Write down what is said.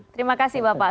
terima kasih bapak